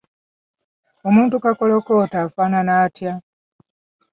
Omuntu Kakolokooto afaanana atya?